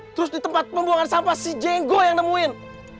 terus di tempat pembuangan sampah si jenggo yang nemuin